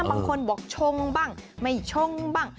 บางคนบอกชงบ้างไม่ชงบ้าง